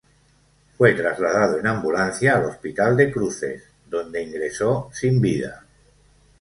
Fue trasladado en ambulancia al hospital de Cruces, donde ingresó sin vida.